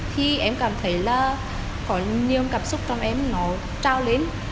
thì em cảm thấy là có nhiều cảm xúc trong em nó trào lên